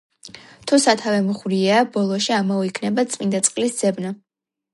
„თუ სათავე მღვრიეა, ბოლოში ამაო იქნება წმინდა წყლის ძებნა.“